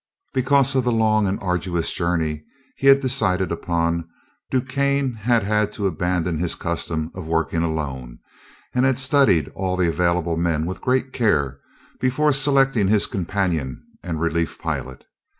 Because of the long and arduous journey he had decided upon, DuQuesne had had to abandon his custom of working alone, and had studied all the available men with great care before selecting his companion and relief pilot.